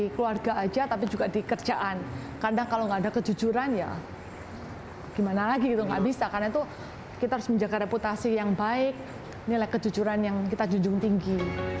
karena kita harus menjaga reputasi yang baik nilai kejujuran yang kita jujur tinggi